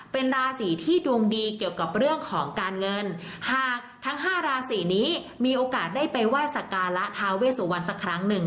เป็นราศีที่ดวงดีเกี่ยวกับเรื่องของการเงินหากทั้งห้าราศีนี้มีโอกาสได้ไปไหว้สักการะทาเวสุวรรณสักครั้งหนึ่ง